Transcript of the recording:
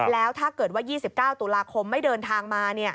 แล้วถ้าเกิดว่า๒๙ตุลาคมไม่เดินทางมา